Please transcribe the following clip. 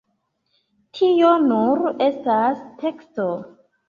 Tio nur estas testo.